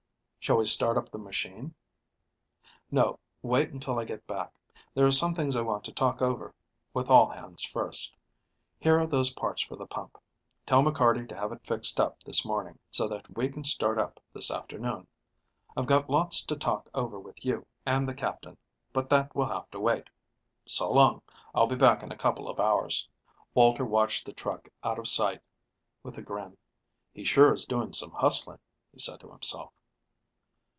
"Shall we start up the machine?" Walter asked. "No, wait until I get back. There are some things I want to talk over with all hands first. Here are those parts for the pump. Tell McCarty to have it fixed up this morning, so that we can start up this afternoon. I've got lots to talk over with you and the Captain, but that will have to wait. So long; I'll be back in a couple of hours." Walter watched the truck out of sight with a grin. "He sure is doing some hustling," he said to himself.